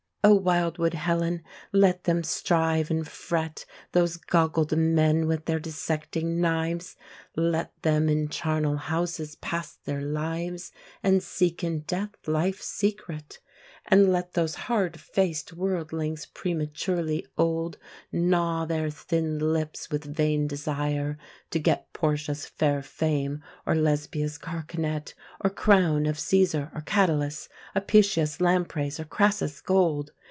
O wildwood Helen, let them strive and fret, Those goggled men with their dissecting knives! Let them in charnel houses pass their lives And seek in death life's secret! And let Those hard faced worldlings prematurely old Gnaw their thin lips with vain desire to get Portia's fair fame or Lesbia's carcanet, Or crown of Caesar or Catullus, Apicius' lampreys or Crassus' gold!